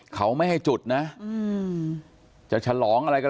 เขาไม่ให้จุดนะจะฉลองอะไรก็